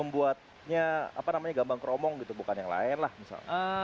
membuatnya apa namanya gambang keromong gitu bukan yang lain lah misalnya